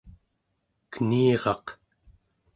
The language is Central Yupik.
keniraq